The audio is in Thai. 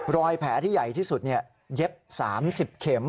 รอยแผลที่ใหญ่ที่สุดเย็บ๓๐เข็ม